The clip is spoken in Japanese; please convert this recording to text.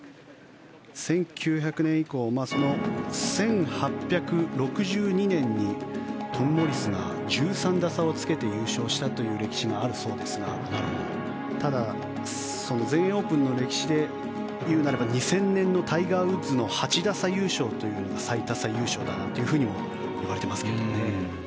１９００年以降１８６２年にトム・モリスが１３打差をつけて優勝したという歴史があるそうですがただ、全英オープンの歴史でいうならば２０００年のタイガー・ウッズの８打差優勝というのが最多差優勝だなんて言われていますけどもね。